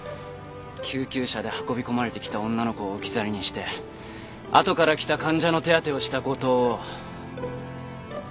救急車で運び込まれてきた女の子を置き去りにしてあとから来た患者の手当てをした五島を。